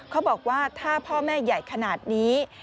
เขาบอกว่าถ้าพ่อแม่ใหญ่ขนาดนี้